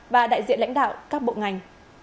và đại diện lãnh đạo các bộ ngành